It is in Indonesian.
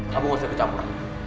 kamu gak usah tercampur